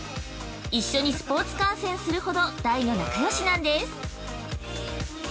一緒にスポーツ観戦するほど大の仲良しなんです！